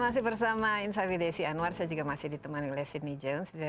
masih bersama insight with desi anwar saya juga masih ditemani oleh sydney jones